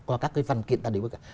qua các cái văn kiện ta đều biết cả